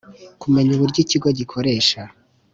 Kumenya uburyo ikigo gikoresha